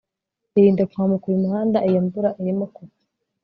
Irinde kwambuka uyu muhanda iyo imvura irimo kugwa